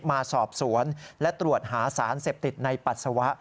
มาสอบสวนและตรวจหาสารเสพติดในปัสสาวะ